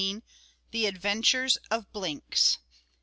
THE ADVENTURES OF BLINKS.